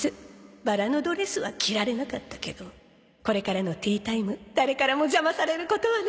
バラのドレスは着られなかったけどこれからのティータイム誰からも邪魔されることはないわ！